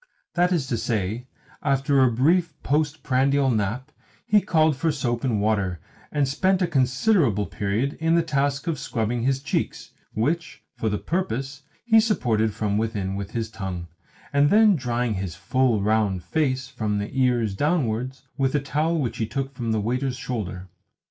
That is to say, after a brief post prandial nap he called for soap and water, and spent a considerable period in the task of scrubbing his cheeks (which, for the purpose, he supported from within with his tongue) and then of drying his full, round face, from the ears downwards, with a towel which he took from the waiter's shoulder.